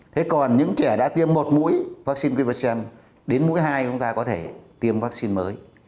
thế còn những trẻ đã tiêm một mũi vaccine viversem đến mũi hai chúng ta có thể tiêm vaccine mới